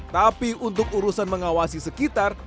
tapi untuk urusan mengawasi sekitar